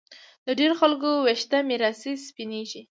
د ډېرو خلکو ویښته میراثي سپینېږي